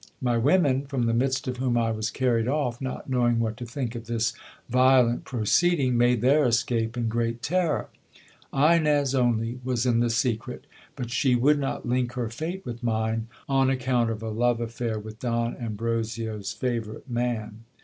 My women, from the midst of whom I was carried off, not knowing what to think of this violent proceeding, made their escape in great terror. Ines only was in the secret ; but she would not link her fate with mine, on account of a love affair with Don Ambrosio's favourite man.